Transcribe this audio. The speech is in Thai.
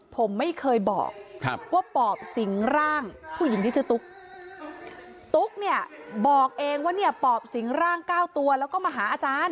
ผมไม่เคยบอกว่าปอบสิงร่างผู้หญิงที่ชื่อตุ๊กตุ๊กเนี่ยบอกเองว่าเนี่ยปอบสิงร่างเก้าตัวแล้วก็มาหาอาจารย์